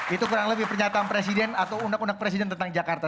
itu kurang lebih pernyataan presiden atau undang undang presiden tentang jakarta